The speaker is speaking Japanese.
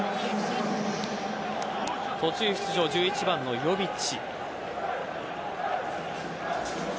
途中出場１１番のヨヴィッチ。